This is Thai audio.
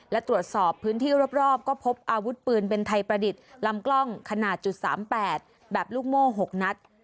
และตรวจสอบพื้นที่รอบก็พบอาวุธปืนเป็นไทยประดิษฐ์ลำกล้องขนาด๓๘แบบลูกโม่๖นัด